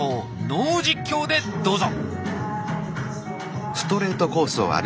ノー実況でどうぞ。